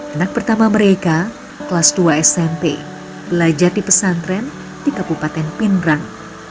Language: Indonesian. anak pertama mereka kelas dua smp belajar di pesantren di kabupaten pindrang